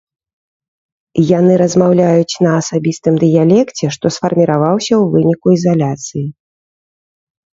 Яны размаўляюць на асабістым дыялекце, што сфарміраваўся ў выніку ізаляцыі.